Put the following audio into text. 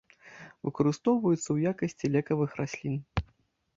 Выкарыстоўваюцца ў якасці лекавых раслін.